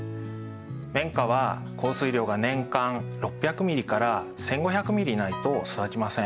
綿花は降水量が年間６００ｍｍから１，５００ｍｍないと育ちません。